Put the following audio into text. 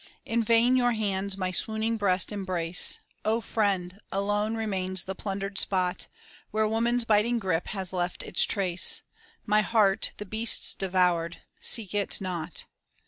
In vain your hands my swooning breast embrace, Oh, friend! alone remains the plundered spot, Where woman's biting grip has left its trace: My heart, the beasts devoured seek it not!